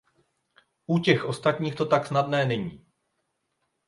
U těch ostatních to tak snadné není.